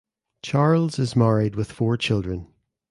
Charles is married with four children.